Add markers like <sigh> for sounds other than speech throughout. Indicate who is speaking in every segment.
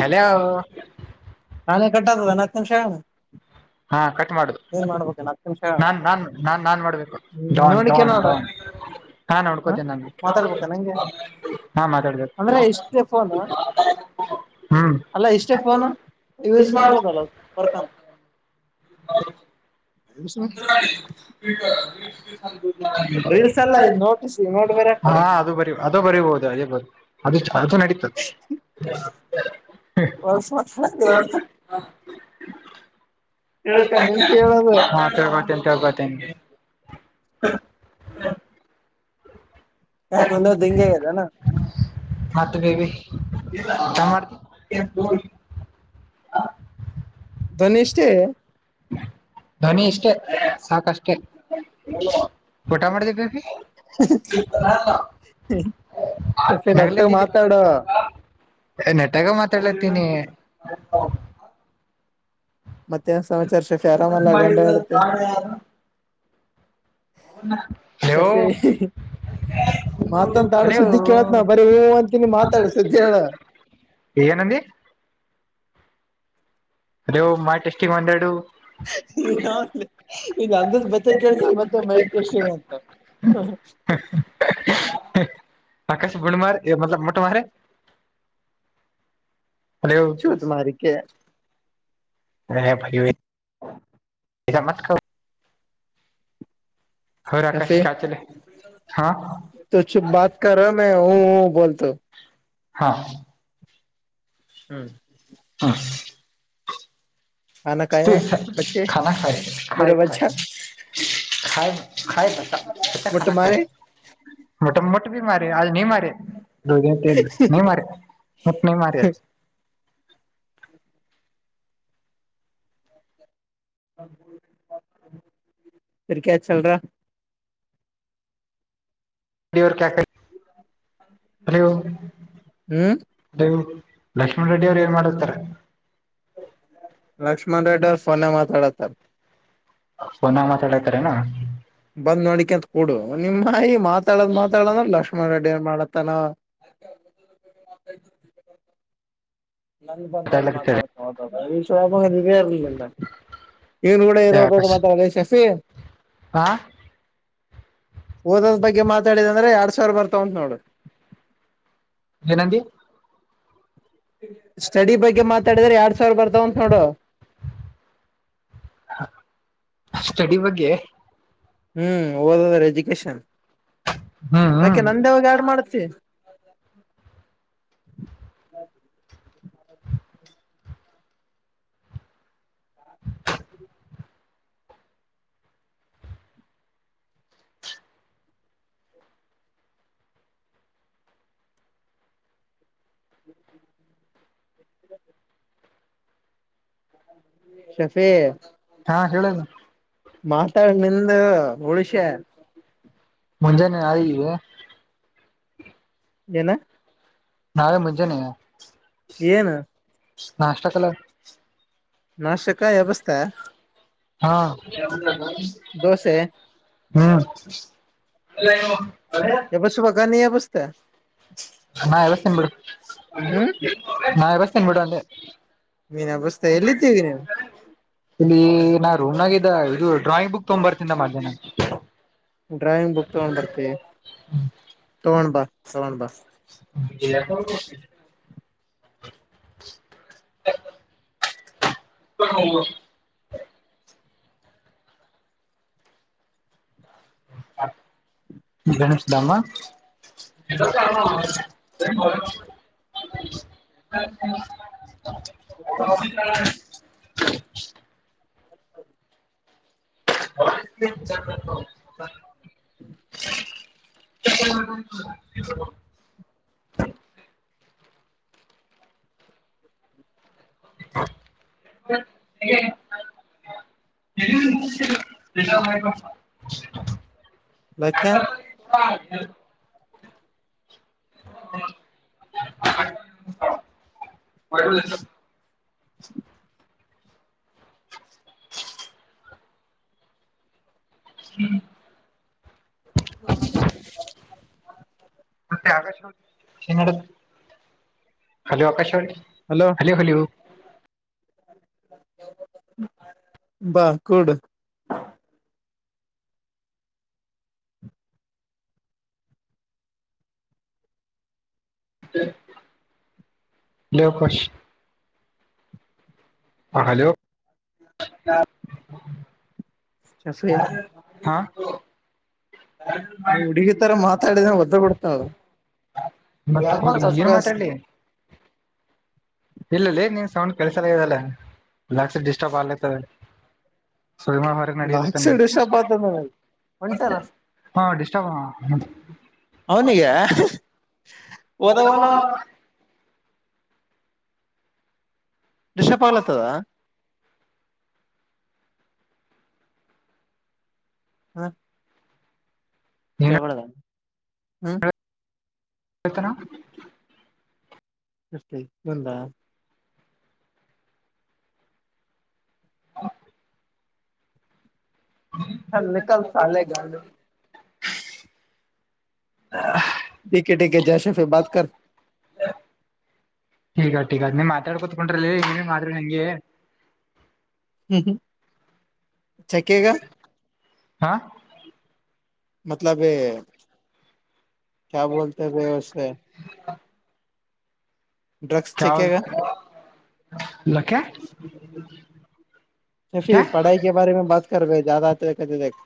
Speaker 1: Hello <inaudible>
Speaker 2: ಕಟ್ಟದ ಹತ್ತು ನಿಮಿಷ
Speaker 1: ಹ <unintelligible> ಹಾ ಕಟ್ ಮಾಡುದು
Speaker 2: ಏನ್ ಮಾಡ್ಬೇಕೇನ ಹತ್ತು ನಿಮಿಷ ಹೇಳ
Speaker 1: ನಾನ್ ನಾ ನಾನ್ ನಾನ್ ಮಾಡ್ಬೇಕುಡ
Speaker 2: ನೋಡಿಕೆ ನೋಡ
Speaker 1: ಹಾ
Speaker 2: ಹ
Speaker 1: ನೋಡ್ಕೋತೇನೆ ನನ್ಗೆ
Speaker 2: ಮಾತಾಡ್ಬೇಕ ನಂಗೆ
Speaker 1: ಹಾ ಮಾತಾಡ್ಬೇಕ
Speaker 2: ಅಂದ್ರೆ ಇಷ್ಟೇ ಫೋನ್
Speaker 1: ಹ್ಮ
Speaker 2: ಅಲ್ಲ ಇಷ್ಟೇ ಫೋನ್ ಯೂಸ್ ಮಾಡ್ಬೋದಲ್ಲ ವರ್ಕಂತ
Speaker 1: <unintelligible>
Speaker 2: <inaudible> ರೀಲ್ಸ್ ಎಲ್ಲ ಇದ ನೋಟಿಸಿ ನೋಡ್ಬರತ್ತ
Speaker 1: ಹಾ ಅದು ಬರಿ ಅದು ಬರಿಬಹುದು ಅದೇ ಬ ಅದು ಅದು ನಡೀತದೆ
Speaker 2: ಹೊಲ್ಸ್ ತಿಳ್ಕೊಂಡು ಕೇಳೋದು
Speaker 1: ಹಾ ತಳ್ಪತ ತಳ್ಪತ ಉ
Speaker 2: ಯಾಕ ಒಂದೊ್ ಹಿಂಂಗಗೆ ಅದಾನ
Speaker 1: ಮತ್ತ ಬೇಬಿ ಚ ಮಾಡ್ತ ಎ ಹ
Speaker 2: ನ ಎಷ್ಟೇ
Speaker 1: ಧ್ವನಿ ಇಷ್ಟೇ ಸಾಕಷ್ಟೆ ಊಟ ಮಾಡಿದೇ ಬೇಬಿ
Speaker 2: ಹ ಸಫಿನ್ ನಟ್ಟು ಮಾತಾಡ
Speaker 1: ನೆಟಗ ಮಾತಾಡತೀನಿ
Speaker 2: ಮತ್ತೆನ್ ಸಮಾಚಾರ ಸೆಫೆ ಆರಾಮಲ್ಲ ಗಂಡ ಆಡ್ತಿ
Speaker 1: ಯವು
Speaker 2: ಮಾತಂತ ಆಡ್ ಸುದ್ದಿ ಕೇಳಳ್ತ್ ನ ಬರೀ ಹೂ ಅಂತೀನಿ ಮಾತಾಡ್ ಸುದ್ದಿ ಹೇಳ
Speaker 1: ಏನಿ ಅ ಮಾ ಟೆಸ್ಟಿಂಗ್ ಮಂಡಡು
Speaker 2: ಇ ಅಂದ ಬತ್ತ ಕೆಳ್ಸ ಮತ್ತೆ ಮೈತ್ ಕೆಷ್ಟ ಅಂತ
Speaker 1: ಅಕಶ ಬುಂಡಮಾರ್ ಮಲ ಮೊಟ್ಟಮಾರ
Speaker 2: ಶು ತುಾರ ಕೆ
Speaker 1: ಹ ಪರಿವ ಈಗ ಮತ್ಕ ಆಕಾಶ
Speaker 2: ಕಫೆ
Speaker 1: ಕ ಚಲೆ ಹಾ
Speaker 2: ತ ಚು ಬತ ಕ ಮ ಹ ಬೋಲ್ತ
Speaker 1: ಹಾ
Speaker 2: ಹ್ಮ್
Speaker 1: ಹಾ
Speaker 2: ಖಾನಾ ಖಾಯಾ ಹೈ ಬಚ್ಚೆ
Speaker 1: ಾನಾಾಯಾಯ
Speaker 2: ಮೇರಾ ಬಚ್ಚಾ
Speaker 1: ಾಯ ಾಯ ಬ
Speaker 2: ಮುಟ್ಟ
Speaker 1: ಕತ್ತಾನಾಾಯ
Speaker 2: ಮಾರೆ
Speaker 1: ಮೋಟ ಮಟ ಮಟ್ಟ ಭ ಮಾರಿ ಅದು ನೀ ಮಾರಿ ನೀ ಮಾರಿ ಮಟ್ಟ ನೀ ಮಾರಿ ಅದು
Speaker 2: ರ್ ಕ ಚಲ್ರ
Speaker 1: <unintelligible>
Speaker 2: ಹ್ಮ್
Speaker 1: ಲಕ್ಷ್ಮಣ ರೆಡ್ಡಿ ಅವ್ರು ಏನ್ ಮಾಡರ್ತಾರೆ
Speaker 2: ನ್ಡ್ ಫೋನ ಮಾತಾಡತ್ತಾರೆ
Speaker 1: ಪನ ಮಾತಾಡಾತಾರನಾ
Speaker 2: ಬಂದ್ ನೋಡಿಕೆಂತ ಕೊಡು ನಿಮ್ಮಾಯ ಮಾತಾಡದ್ ಮಾತಾಡದ ಲಕ್ಷ್ಮಣ ರೆಡ್ಡಿ ಮಾಡತ್ತನ
Speaker 1: <unintelligible>
Speaker 2: ನಂಗ ಬಂದಾಗ
Speaker 1: ಮಾತಾಡ್ಲಕತ್ತಾಳೆ
Speaker 2: ಮಾತಾಡ್ಕೊ ಹ ನೀರ್ ಇವನ್ ಕೂಡ ಏನು
Speaker 1: ಏ
Speaker 2: ಹೋಗ
Speaker 1: ಆಕಾಶ್
Speaker 2: ಮಾತ್ರ ಒಳ್ಳ ಶಫಿ
Speaker 1: ಹಾ
Speaker 2: ಓದದ ಬಗ್ಗೆ ಮಾತಾಡಿದಂದ್ರೆ ಎರಡ್ ಸಾವಿರ ಬರ್ತಾವ ಉಂಟ ನೋಡು
Speaker 1: ಏನಂತ
Speaker 2: ಸ್ಟಡಿ ಬಗ್ಗೆ ಮಾತಾಡಿದ್ರ ಎರಡ್ ಸಾವಿರ ಬರ್ತಾವಂತ ನೋಡು.
Speaker 1: ಹ ಸ್ಟಡಿ ಬಗ್ಗೆ.
Speaker 2: ಹ್ಮ್ ಓದದ್ರ ಎಜುಕೇಶನ್
Speaker 1: ಹ್ಮ್
Speaker 2: ಯಕೆ
Speaker 1: ಹ್ಮ್
Speaker 2: ನಂದವಾಗ ಯಾರ್ಡ್ ಮಾಡ್. ಸ <unintelligible> ಹ <inaudible> ಶಫೇ.
Speaker 1: ಹಾ ಹೇಳುದು.
Speaker 2: ಮಾತಾಡ್ ನಿಂದ ಉಳಷ್ಯ.
Speaker 1: ಮುಂಜಾನೆ ಅಹಿಹೇ.
Speaker 2: ಏನ.
Speaker 1: ನಾವೆ ಮುಜೆ ನೀ.
Speaker 2: ಏನು.
Speaker 1: ನಾಷ್ಟಕಲ.
Speaker 2: ನಾಷ್ಟಕ ಎಬ್ಬಿಸ್ದೆ
Speaker 1: ಹಾ
Speaker 2: ದೋಸೆ
Speaker 1: ಹ್ಮ್. ಎಲ್ಲ.
Speaker 2: ಎಬ್ಬಿಸಬೇಕಾ ನೀ ಎಬ್ಬಿಸ್ತಿಯ.
Speaker 1: ನಾ ಎಬ್ಬಿಸ್ತಿನ್ ಬಿಡು,
Speaker 2: ಹ್ಮ್
Speaker 1: ನಾಳೆ ಬೆಸ್ತೀನ್ ಬಿಡು ಅಂದೆ.
Speaker 2: ನೀನ್ ಎಬಸ್ತ ಎಲ್ಲಿದ್ದೀವಿ ನೀನ್
Speaker 1: ಇಲಿ ನ ರೂಮ ನಾಗೆ. ಇದು ಡ್ರಾಯಿಂಗ್ ಬುಕ್ ತಗಂಬ್ ಬರ್ತಿಂದ ಮಧ್ಯಾಹ್ನ.
Speaker 2: ಡ್ರಾಯಿಂಗ್ ಬುಕ್ ತಗೊಂಡ್ ಬರ್ತವಿ ತಗೊಂಡ್ ಬಾ ತಗೊಂಡ್ ಬಾ.
Speaker 1: ಇಲ್ಲ. ಹ <unintelligible> <unintelligible> <unintelligible> ಗಣೇಶಧಾಮ. <unintelligible> ಹ್ಮ <unintelligible> <unintelligible> <unintelligible> <unintelligible> <unintelligible> <unintelligible>
Speaker 2: ಲಕ್ಕ
Speaker 1: <unintelligible> <unintelligible> <unintelligible>
Speaker 2: <unintelligible>
Speaker 1: ಮತ್ತೆ Akashvani hello Akashvani. Hello hello
Speaker 2: ಬಾಕುಡ.
Speaker 1: <unintelligible> ದಿಲ್ ಖುಷ್. ಹಾ ಹಲೋ.
Speaker 2: ಶಫಿ
Speaker 1: ಹಾ.
Speaker 2: ನೀ ಹುಡುಗಿ ತರ ಮಾತಾಡಿದಂದ್ರ ಒದ್ದ ಬಿಡ್ತು ತಿ ನೋಡು.
Speaker 1: ಮತ್ತ
Speaker 2: ಯಾಕಮಾಡಿದಿ
Speaker 1: ಹುಡ್ಗಿ ಏನ್
Speaker 2: ಸರ್ಪ್ರೈಸ್.
Speaker 1: ಇಲ್ಲಲ್ಲೆ ನೀನ್ ಸೌಂಡ್ ಕೇಳಿಸಲಾಗದಲ್ಲಾ ರಾತ್ರಿಡಿಸ್ಟರ್ಬ್ ಆಗ್ಲಕತದೆ. ಸುರಮಾ ಮಾಡಲ ನಡೆಯಲೇ
Speaker 2: ಲಾಕ್
Speaker 1: ತನ್ನ.
Speaker 2: ಸೈಡ್ ಡಿಸ್ಟರ್ಬ್ ಆತದ ನನಗ ಹೊಂಟಲ್ಲ
Speaker 1: ಹಾ ಡಿಸ್ಟರ್ಬ್.
Speaker 2: ಅವನಿಗೆ ಓದವಲ್ಲ ಅವ ಡಿಸ್ಟರ್ಬ್ ಹಾಲಕತ್ತದ ಹ್ಮ
Speaker 1: ಏನ
Speaker 2: ಕೇಳಬಾರದು ಹ್ಮ್
Speaker 1: ಏನಂತನ
Speaker 2: ನಷ್ಟೇ ಬಂದ್ಲಾ
Speaker 1: ಹಾ
Speaker 2: ಹ ನಿಕಲ್ತಾಲೇ ಗಾಂಡು ಟಿ ಕೆ ಟಿ ಕೆ ಜೈಶೆಫೆ ಬಾತ್ ಕರ್ತ
Speaker 1: ಟಿಕೆಟಿಕೆನೀ ಮಾತಾಡ್ ಕೂತ್ಕೊಂಡ್ರಲ್ಲಿ ನೀ ಮಾತಾಡ್ರಿ ನಂಗೆ.
Speaker 2: ಹ್ಮ್ ಚಕ್ಕೆಗ.
Speaker 1: ಹಾ
Speaker 2: ಮತ್ತಲಬ ಈ ಕ್ಯಾ ಬೋಲತ ಭೈ ಉಷೆ
Speaker 1: ಕ್ಯಾ
Speaker 2: ಚಕೇಗಾ
Speaker 1: ಹೊ ಲಕಾಯಿ
Speaker 2: ಸಫಿಕ್ ಪಡಾಹಿಂಗೆ ಬಾದಮೆ ಮೇ ಬಾತ್ ಕರಿಂಗೆ ಜಾದಾ ಆತಿದೆಕ್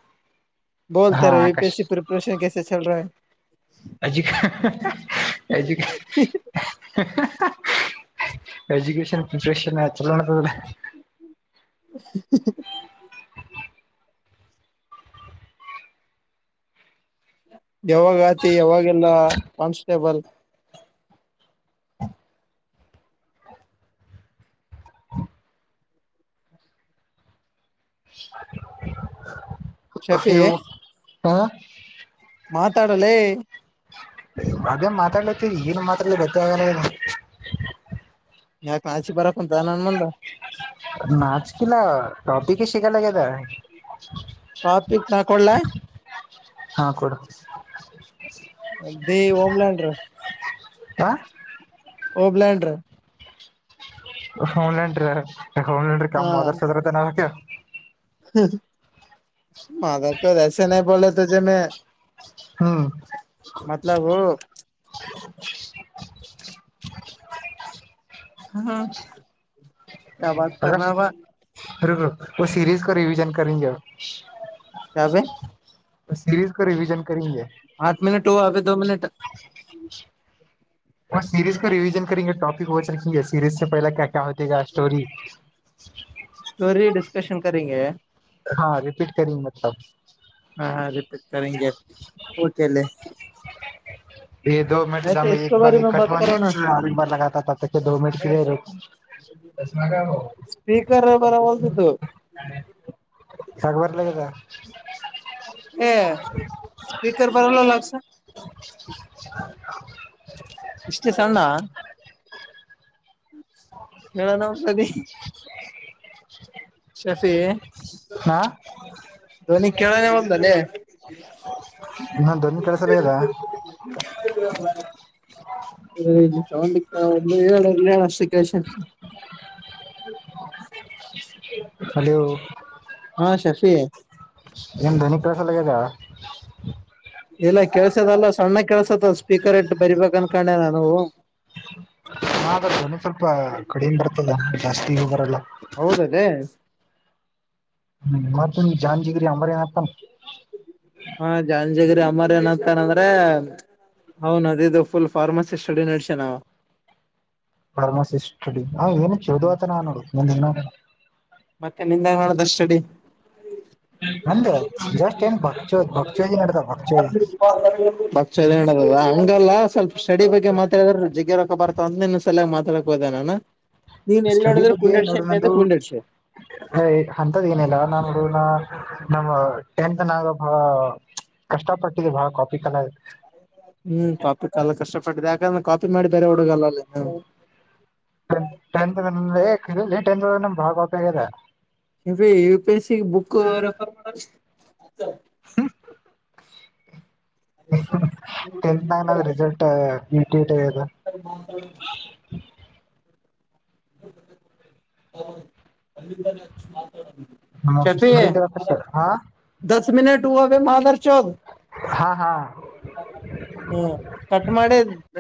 Speaker 2: ಬೋಲ್ತ
Speaker 1: ಹಾ
Speaker 2: ರ you
Speaker 1: Akash
Speaker 2: PS C preparation ಕೈಸೆ ಚಲ್ಲರೆಂಹೆ
Speaker 1: ಎಜು ಎಜು
Speaker 2: ಹೈ
Speaker 1: ಎಜುಕೇಶನ್ ಪ್ರಿಪ್ರೇಷನ್ ಚೊಲೋ ನಡೆದಿದೆಲ್ಲ
Speaker 2: ಹ್ಹ ಹ್ಹ ಯಾವಾಗ ಆತಿ ಯಾವಾಗೆಲ್ಲ ಕಾನ್ಸ್ಟೇಬಲ್
Speaker 1: <unintelligible>
Speaker 2: ಶಫೇ
Speaker 1: ಅಯ್ಯೋ ಹಾ
Speaker 2: ಮಾತಾಡಲೇ
Speaker 1: ಹಂಗೆ ಮಾತಾಡ್ಲತ್ತರಿ ಏನು ಮಾತಾಡ್ಲಿ ಗೊತ್ತಾಗಲ್ಲ ಗೆದ
Speaker 2: ಯಾಕ ನಾಚ್ಕೆ ಬರಕೊಂತ ನನ್ ಮುಂದ
Speaker 1: ನಾಚಿಕೆ ಇಲ್ಲ ಟಾಪಿಕ್ ಸಿಗಲಾಗೆದ
Speaker 2: ಟಾಪಿಕ್ ನಾ ಕೊಡ್ಲಾ
Speaker 1: ಹಾ ಕೊಡು
Speaker 2: ದೆ ಹೊಲ್ಲಾಡರಿ
Speaker 1: ಹಾ
Speaker 2: ಓ ಬ್ಲಾಂಡ್ರ
Speaker 1: ಹೋಮ್ಲೇನ್ ಡ್ರಿ ಹೋಗ್ಲೇನ್ ಡ್ರಿ ಕಮ್ಮ್ ಅದರ್ಸದ್ರತೆ ನಕ
Speaker 2: ಮಾದಕ ಐಸ್ ಬೋಲೇ ನಹಿ ತುಜೆ ಮೈ
Speaker 1: ಹ್ಮ
Speaker 2: ಮತ್ಲಬ್ ಹಾ ಕ್ಯಾ ಬಾತ್ ಕರ್ನೆ ಬಾ
Speaker 1: ರಬ ಸೀರಿಸ್ ಕ ರಿವಜನ್ ಕರಿಂಗೆ
Speaker 2: ಕ್ಯಾಬೆ ಪಾಂಚ್ ಮಿನಿಟ್ ದೊ ಮಿನಿಟ್
Speaker 1: ಒ ಸೀರಿ ಕ ರಿವೀಜನಕರೆಂಗೆ ಟಾಪಿಕ್ ವಚ ರೆಕ್ಕಿಂಗೆ ಸೀರಿಜ ಸಿ ಪಹಲಕ ಕ್ಯಾ ಕ್ಯಾ ಹೊತಿಗಾ ಸ್ಟೋರಿ
Speaker 2: ಸ್ಟೋರಿ ಡಿಸ್ಕಶನ್ ಕರಿಂಗೆ
Speaker 1: ಹಾ ರರಿಪೀಟ್ಿ ಮಲ
Speaker 2: ಹಾ ರರಿಪೀಟ್ೇಗೆ ಕಲ
Speaker 1: ಈ ದ ಮಿಟಮ ಬಾರ ಇವ ಬಾರ ಲಗತ ತತ ದ ಮಿಟ ಕಿದೆೇ
Speaker 2: ಸ್ಪೀಕರ್ ಬರಲ್
Speaker 1: ಸಗಬರ್ಲ ಕದಾ
Speaker 2: ಏ ಹ
Speaker 1: ದ
Speaker 2: ಇಷ್ಟೇ ಸಣ್ಣ ಕೆೇಳ ನವು್ತತಿ ಶಫಿ
Speaker 1: ಹಾ
Speaker 2: ಧ್ವನಿ ಕೇಳ ಒಲ್ಲದಲೇ
Speaker 1: ನನ್ನ ನಿ ಕೆಳಸಲ್ಲ ಆಗೇದ
Speaker 2: <unintelligible> ಹ ಇಲ್ಲಿ ಒಂದು ಏಳ ಅಷ್ಟ ಕೆಷನ್
Speaker 1: <unintelligible> ಹಲೋ
Speaker 2: ಹಾ ಶಶಿ
Speaker 1: ನಿನ್ ಧ್ವನಿ ಕೇಳಸಲ ಆಗ್ಯದ
Speaker 2: ಇಲ್ಲ ಕೆಳ್ಸದಲ್ಲ ಸಣ್ಣಾಗ ಕೆಲ್ಸತ್ತ ಸ್ಪೀಕರ್ ಎಟ ಬರಿಬೇಕ ಅನ್ಕೊಂಡೆ ನಾನೂ
Speaker 1: ಹ್ರ ಧ್ವನಿ ಸ್ವಲ್ಪ ಕಡಿಮೆ ಬರ್ತದ ಜಾಸ್ತಿಗ ಬರಲ್ಲ
Speaker 2: ಹೌದಲ್ಲೇ
Speaker 1: ಮತ್ ಜಾಂಜಿಗರಿ ಅ್ರನತ್ತ
Speaker 2: ಹಾ ಜಾಂಜಗರಿ ಅಮ್ಮರ್ ಏನತಾನಂದ್ರೆ ಹೌನದ ಇದು ಫುಲ್ ಫಾರ್ಮಸಿ ಸ್ಟಡಿ ನಡಸ್ಯಾನ ಅವಾ
Speaker 1: ಫರ್ಮಸಿ ಸ್ಟಡಿ ಹ ಏನು ಚದು ಆತ ನಾನೋಡು ಮುಂದೇನು ಆಗಲ್ಲ
Speaker 2: ಷ್ಟಡಿ
Speaker 1: ನಂದ <unintelligible>
Speaker 2: <unintelligible> ಭ ಹಂಗಲ್ಲ ಸ್ವಲ್ಪ ಸ್ಟಡಿ ಬಗ್ಗೆ ಮಾತಡಿದ್ರ ಜಗ್ಗ ರೊಕ್ಕ ಬರ್ತ ಅಂದ ಲ ಮಾತಾಡಕ್ ಹೋದ ನಾನ ನೀವ ಎಲ್ಲಿ ನೋಡಿದ್ರೆ ಕುಂಡಡ್ಷೆ ಅಂತ ಅ್ರ ಕುಂಡಿಡ್ಷೆ
Speaker 1: ಅ ಅಂತದ್ ಏನಲ್ಲ ನಾನ ನಾ ನಮ್ಮ ಟೆಂತ್ ನ ಬಹಳ ಕಷ್ಟ ಪಟ್ಟಿದೆ ಬಹಳ ಕಾಪಿಕ್ಲ್
Speaker 2: ಹ್ಮ್ ಕಾಪಿ ಕಾಲ ಕಷ್ಟಪಟ್ಟಿದೆ ಯಾಕಂದ್ರ ಕಾಪಿ ಮಾಡಿ ಬೇರೆ ಹುಡುಗಲ್ಲ
Speaker 1: ಟೆಂತ್ ಇದ್ದಾಗ ಕರೆನಲೆ ಟೆಂತ್ ಇದ್ದಾಗ ಬಹಳ ಗೊತ್ತಾಗಿದ
Speaker 2: ಎ ಯುಪಿಎಸ್ ಸಿ ಬುಕ್ ರೆಫರ್ ಮಾಡ
Speaker 1: <unintelligible> ಟೆಂತ್ ನಾಗ ರಿಸಲ್ಟ್ <unintelligible>
Speaker 2: <unintelligible> <unintelligible> ಶಫೆ
Speaker 1: ಹಾ
Speaker 2: ದಸ ಮಿನಟ ಹೂವಾ ರೇ <unintelligible>
Speaker 1: ಹಾ ಹಾ
Speaker 2: ಹ್ಮ ಕಟ್ ಮಾಡಿದ